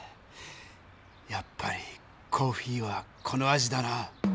やっぱりコーヒーはこの味だな。